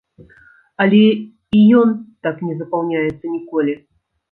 Але і ён так не запаўняецца ніколі!